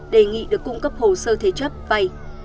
đề nghị được cung cấp hồ sơ thế chấp vay